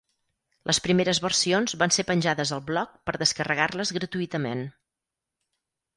Les primeres versions van ser penjades al blog per descarregar-les gratuïtament.